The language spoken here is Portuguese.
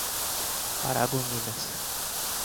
Paragominas